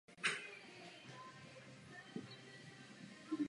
Velkou změnou prošla také výchozí místnost.